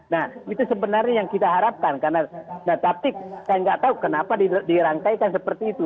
nah itu sebenarnya yang kita harapkan karena tapi saya nggak tahu kenapa dirangkaikan seperti itu